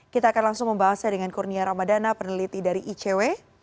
kita akan langsung membahasnya dengan kurnia ramadana peneliti dari icw